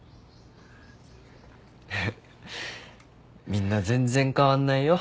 みんな全然変わんないよ。